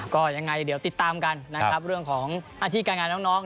ก็ยังไงเดี๋ยวติดตามกันนะครับเรื่องของหน้าที่การงานน้อง